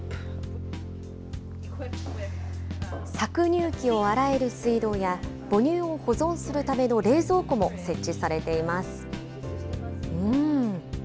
搾乳機を洗える水道や、母乳を保存するための冷蔵庫も設置されています。